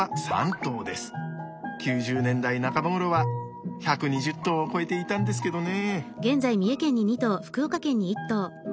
９０年代半ばごろは１２０頭を超えていたんですけどね。